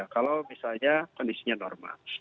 kalau misalnya kondisinya normal